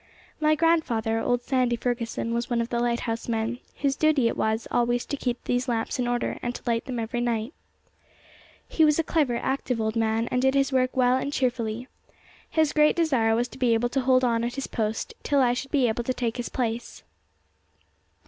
My grandfather, old Sandy Fergusson, was one of the lighthouse men, whose duty it was always to keep these lamps in order and to light them every night. He was a clever, active old man, and did his work well and cheerfully. His great desire was to be able to hold on at his post till I should be able to take his place.